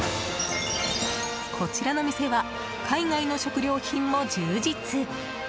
こちらの店は海外の食料品も充実！